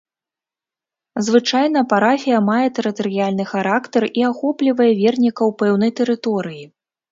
Звычайна, парафія мае тэрытарыяльны характар і ахоплівае вернікаў пэўнай тэрыторыі.